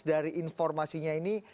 dari informasinya ini